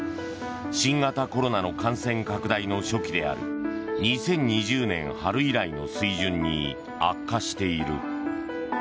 新型コロナの感染拡大の初期である２０２０年春以来の水準に悪化している。